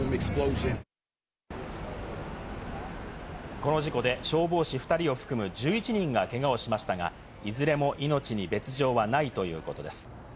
この事故で消防士２人を含む１１人がけがをしましたが、いずれも命に別条はないということです。